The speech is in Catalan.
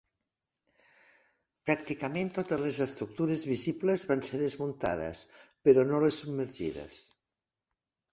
Pràcticament totes les estructures visibles van ser desmuntades, però no les submergides.